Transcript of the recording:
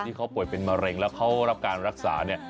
ที่เขาป่วยเป็นมะเร็งแล้วเขารับการรักษาเนี่ย